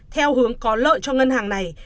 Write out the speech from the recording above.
theo hướng có lợi cho ngân hàng này